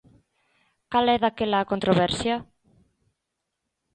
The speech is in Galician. Cal é, daquela, a controversia?